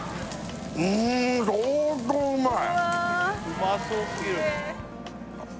うん相当うまい！